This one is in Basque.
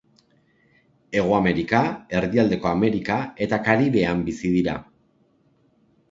Hego Amerika, Erdialdeko Amerika eta Karibean bizi dira.